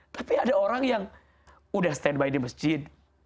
tapi ada orang yang udah stand by di masjid